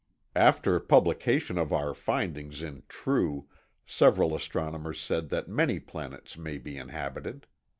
After publication of our findings in True, several astronomers said that many planets may be inhabited.